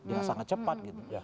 dia sangat cepat gitu